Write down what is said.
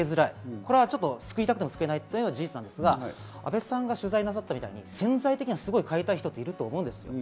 これは救いたくても救えないっていうのが事実なんですが阿部さんが取材なさったみたいに潜在的にはすごい帰りたい人っていると思うんです。